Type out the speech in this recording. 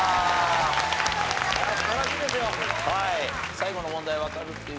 最後の問題わかるっていう人は？